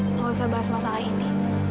nggak usah bahas masalah ini